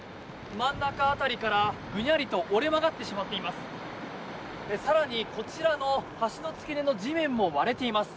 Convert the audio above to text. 真ん中辺りからぐにゃりと折れ曲がってしまっています。